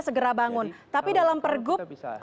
segera bangun tapi dalam pergub